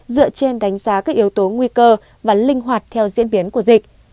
dựa trên đánh giá các yếu tố nguy cơ và linh hoạt theo diễn biến của dịch